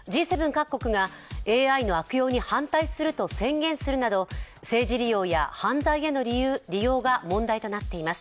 各国がＡＩの悪用に反対すると宣言するなど政治利用や犯罪への利用が問題となっています。